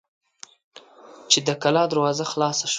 چې د کلا دروازه خلاصه شوه.